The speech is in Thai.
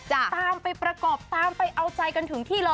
ตามไปประกอบตามไปเอาใจกันถึงที่เลย